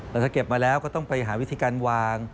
แต่ถ้าเก็บมาแล้วก็ต้องไปหาวิธีการวาง